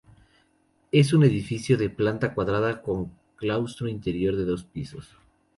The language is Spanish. Es un edificio de planta cuadrada con claustro interior de dos pisos.